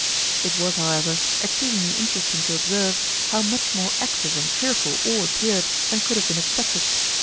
It was, however, exceedingly interesting to observe, how much more active and cheerful all appeared than could have been expected.